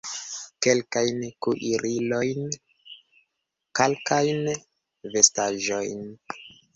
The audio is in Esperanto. Kelkajn kuirilojn, kalkajn vestaĵojn.